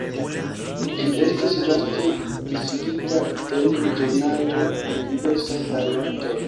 Ĝi estis vaste disigita en ĵurnaloj en diversaj variantoj.